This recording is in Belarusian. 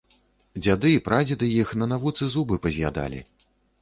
Дзяды, прадзеды іх на навуцы зубы паз'ядалі.